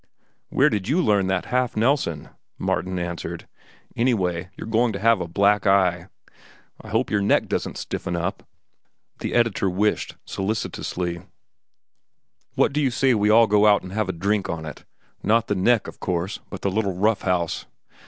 "Where you learned that half Nelson," Martin answered. "Anyway, you're going to have a black eye." "I hope your neck doesn't stiffen up," the editor wished solicitously: "What do you say we all go out and have a drink on it—not the neck, of course, but the little rough house?"